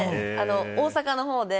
大阪のほうで。